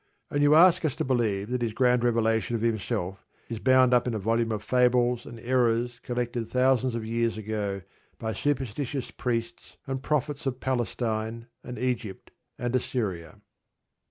And you ask us to believe that His grand revelation of Himself is bound up in a volume of fables and errors collected thousands of years ago by superstitious priests and prophets of Palestine, and Egypt, and Assyria.